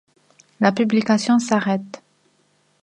La publication s'arrête.